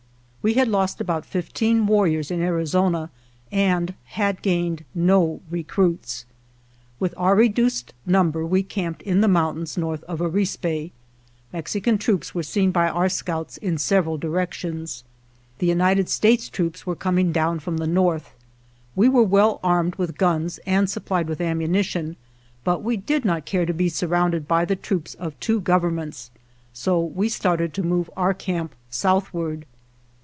We had lost about fifteen warriors in Arizona, and had gained no recruits. With our reduced number we camped in the moun tains north of Arispe. Mexican troops were seen by our scouts in several directions. The United States troops were coming down from the north. We were well armed with guns and supplied with ammunition, but we did not care to be surrounded by the troops of two governments, so we started to move our camp southward.